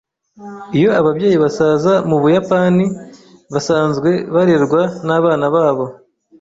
Iyo ababyeyi basaza mu Buyapani, basanzwe barerwa nabana babo.